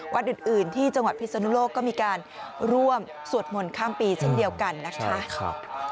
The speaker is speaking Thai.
วัดอื่นที่จังหวัดพิศนุโลกก็มีการร่วมสวดมนต์ข้ามปีเช่นเดียวกันนะคะ